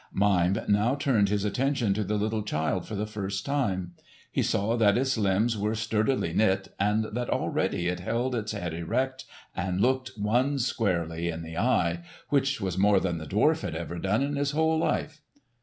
Mime now turned his attention to the little child for the first time. He saw that its limbs were sturdily knit, and that already it held its head erect and looked one squarely in the eye—which was more than the dwarf had ever done in his whole life.